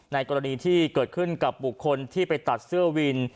กรณีที่เกิดขึ้นกับบุคคลที่ไปตัดเสื้อวิน